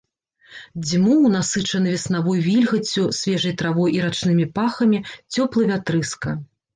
Дзьмуў, насычаны веснавой вільгаццю, свежай травой і рачнымі пахамі, цёплы вятрыска.